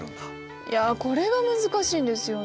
いやこれが難しいんですよね。